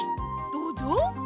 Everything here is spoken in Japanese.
どうぞ。